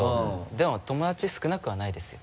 でも友達少なくはないですよ。